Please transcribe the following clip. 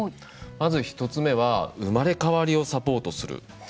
まず１つ目は生まれ変わりをサポートする。